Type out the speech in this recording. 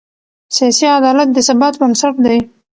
سیاسي عدالت د ثبات بنسټ دی